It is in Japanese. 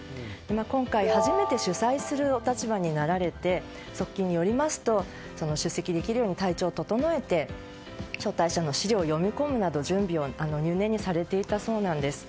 今回、初めて主催するお立場になられて側近によりますと出席できるように体調を整えて招待者の資料を読み込むなど準備を入念にされていたそうなんです。